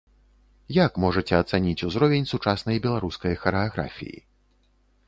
Як можаце ацаніць узровень сучаснай беларускай харэаграфіі?